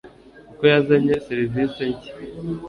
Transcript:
kuko yazanye serivise nshya,